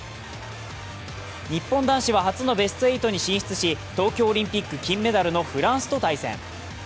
日本男子は初のベスト８に進出し東京オリンピック金メダルのフランスと対戦。